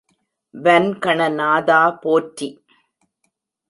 வன்கண நாதா போற்றி!